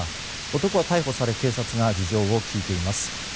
男は逮捕され警察が事情を聴いています。